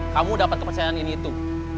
kamu dapat kepercayaan ini itu